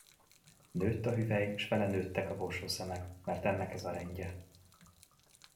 Nőtt a hüvely, s vele nőttek a borsószemek, mert ennek ez a rendje.